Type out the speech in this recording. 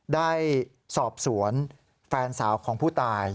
ได้สอบสวนแฟนสาวของผู้ตาย